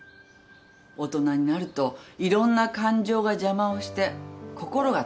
大人になるといろんな感情が邪魔をして心がつかえる。